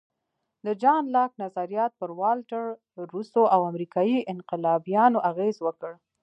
د جان لاک نظریات پر والټر، روسو او امریکایي انقلابیانو اغېز وکړ.